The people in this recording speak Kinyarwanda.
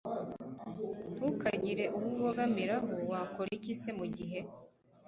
Ntukagire uwo ubogamiraho Wakora iki se mu gihe